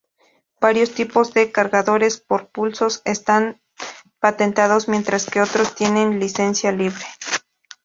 Varios tipos de cargadores por pulsos están patentados mientras que otros tienen licencia libre.